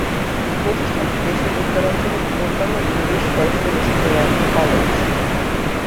প্রতিষ্ঠানটি দেশের উত্তরাঞ্চলে বৃহত্তম English version school and college.